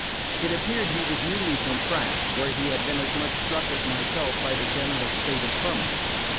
It appeared he was newly from France, where he had been as much struck as myself by the general state of ferment.